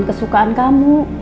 makanan kesukaan kamu